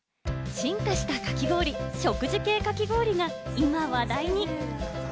進化したかき氷、食事系かき氷が今話題に！